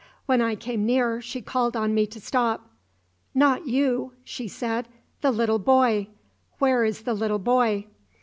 When I came near she called on to me to stop. 'Not you,' she said, 'the little boy! Where is the little boy?'